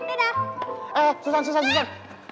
eh susan susan susan